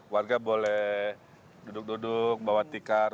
warga boleh duduk duduk bawa tikar